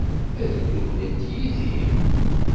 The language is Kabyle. Ad dduklent yid-i?